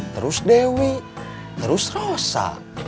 terus dewi terus rosa